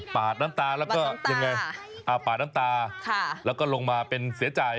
ปาดน้ำตาแล้วก็ปาดน้ำตาอ่าปาดน้ำตาค่ะแล้วก็ลงมาเป็นเสียใจ